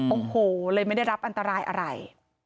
โอ้โหเลยไม่ได้รับอันตรายอะไร